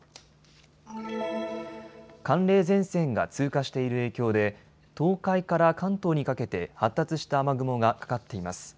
寒冷前線が通過している影響で東海から関東にかけて発達した雨雲がかかっています。